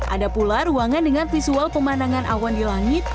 ada pula ruangan dengan visual pemandangan awan di langit